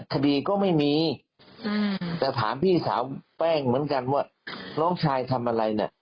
คดีก็ไม่มีแต่ถามพี่สาวแป้งเหมือนกันว่าน้องชายทำอะไรเนี่ย